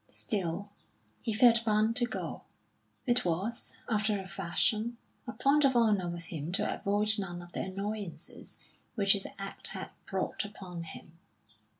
Still, he felt bound to go. It was, after a fashion, a point of honour with him to avoid none of the annoyances which his act had brought upon him.